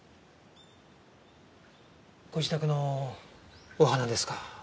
ご自宅のお花ですか？